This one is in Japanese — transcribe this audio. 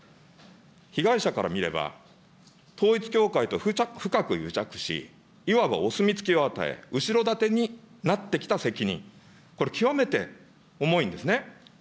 被害者から見れば、統一教会と深く癒着し、いわばお墨付きを与え、後ろ盾になってきた責任、これ、極めて重いんですね。